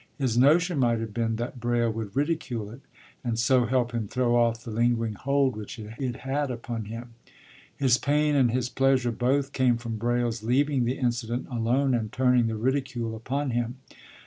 His notion might have been that Braile would ridicule it, and so help him throw off the lingering hold which it had upon him. His pain and his pleasure both came from Braile's leaving the incident alone and turning the ridicule upon him.